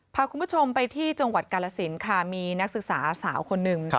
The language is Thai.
พาคุณผู้ชมไปที่จังหวัดกาลสินค่ะมีนักศึกษาสาวคนหนึ่ง